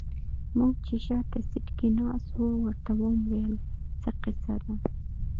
موږ چې شاته سيټ کې ناست وو ورته ومو ويل څه کيسه ده.